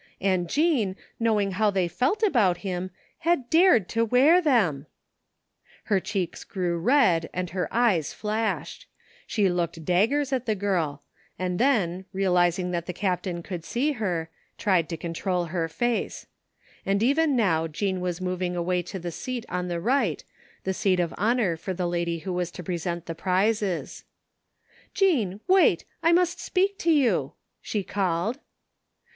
And Jean, knowing how they felt about him, had dared to wear them ! Her cheeks grew red and her eyes flashed. She 214 THE FINDING OF JASPER HOLT looked daggers at the girl, and then, realizing that the captain could see her, tried to control her face; and even now Jean was moving away to the seat on the right, the seat of honor for the lady who was to present the prizes. "Jean, wait! I must speak to you," she called.